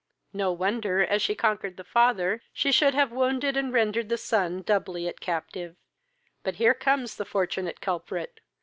No wonder, as she conquered the father, she should have wounded, and rendered the son doubly at captive: but here comes the fortunate culprit.